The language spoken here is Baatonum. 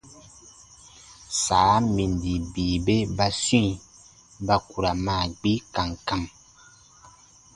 Saa min di bii bè ba swĩi ba k u ra maa gbi kam kam.